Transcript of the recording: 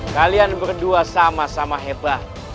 kalian berdua sama sama hebat